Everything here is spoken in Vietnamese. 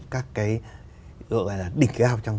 cái gọi là đỉnh cao